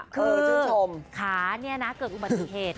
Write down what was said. คือขาเนี่ยนะเกือบอุบัติเหตุ